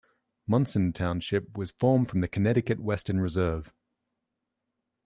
Munson Township was formed from the Connecticut Western Reserve.